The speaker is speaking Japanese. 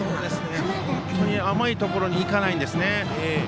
本当に甘いところに行かないんですね。